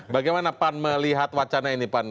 bagaimana pan melihat wacana ini pan